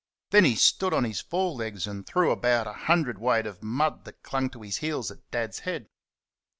Then he stood on his fore legs and threw about a hundredweight of mud that clung to his heels at Dad's head.